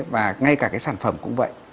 và ngay cả cái sản phẩm cũng vậy